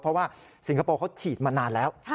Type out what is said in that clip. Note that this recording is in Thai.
เพราะว่าสิงคโปร์เขาฉีดมานานแล้ว